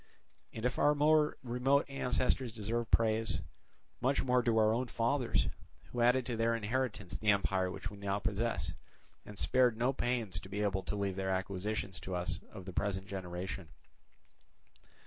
And if our more remote ancestors deserve praise, much more do our own fathers, who added to their inheritance the empire which we now possess, and spared no pains to be able to leave their acquisitions to us of the present generation.